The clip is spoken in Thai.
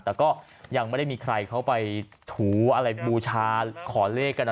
แต่ก็ยังไม่ได้มีใครเขาไปถูอะไรบูชาขอเลขกัน